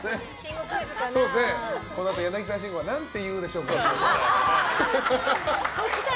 このあと柳沢慎吾は何て言うでしょうか。